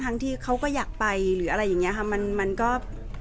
ไม่ต้องมาคอยกังวลเวลาพูดกับใครหรืออะไรอย่างเงี้ยค่ะแต่ที่ผ่านมาคือพี่ออนทำดีที่สุดแล้ว